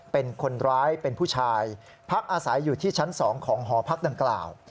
เป็นคนร้ายเป็นผู้ชายพักอาศัยอยู่ที่ชั้น๒ของหอพักดังกล่าว